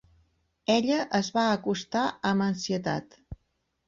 Ella es va acostar amb ansietat